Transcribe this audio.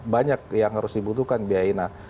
banyak yang harus dibutuhkan biaya inah